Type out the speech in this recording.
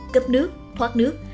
cấp nước thoát nước